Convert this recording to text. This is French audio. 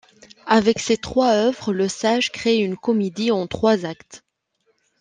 Avec ces trois œuvres, Lesage crée une comédie en trois actes.